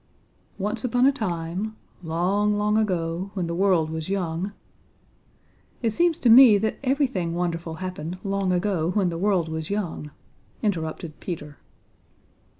"Once upon a time, long, long ago, when the world was young " "It seems to me that everything wonderful happened long ago when the world was young," interrupted Peter.